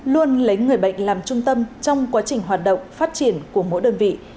luôn lấy người bệnh làm trung tâm trong quá trình hoạt động phát triển của mỗi đơn vị